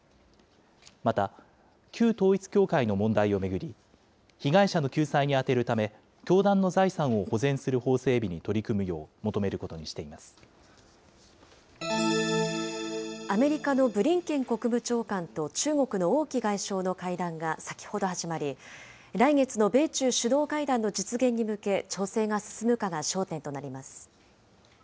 また旧統一教会の問題を巡り、被害者の救済に充てるため教団の財産を保全する法整備に取り組むアメリカのブリンケン国務長官と、中国の王毅外相の会談が先ほど始まり、来月の米中首脳会談の実現に向け調整が進むかが焦点となります。